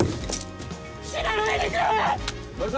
死なないでくれ！